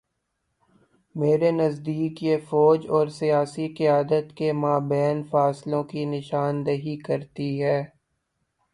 میرے نزدیک یہ فوج اور سیاسی قیادت کے مابین فاصلوں کی نشان دہی کرتی ہے۔